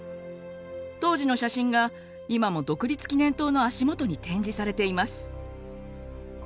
当時の写真が今も独立記念塔の足元に展示されています。